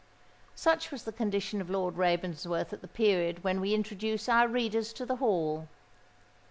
Such was the condition of Lord Ravensworth at the period when we introduce our readers to the Hall.